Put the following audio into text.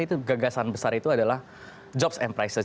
itu gagasan besar itu adalah jobs and price